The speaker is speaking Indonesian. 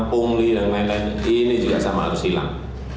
pungli dan lain lain ini juga sama harus hilang